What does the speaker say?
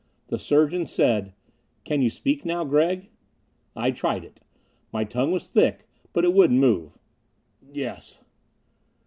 The surgeon said, "Can you speak now, Gregg?" I tried it. My tongue was thick, but it would move. "Yes."